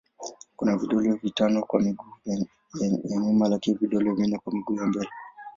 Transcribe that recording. Kuna vidole vitano kwa miguu ya nyuma lakini vidole vinne kwa miguu ya mbele.